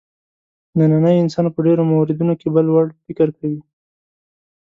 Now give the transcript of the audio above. نننی انسان په ډېرو موردونو کې بل وړ فکر کوي.